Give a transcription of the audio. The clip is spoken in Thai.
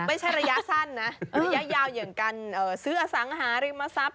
ไม่ใช่ระยะสั้นนะระยะยาวอย่างการซื้ออสังหาริมทรัพย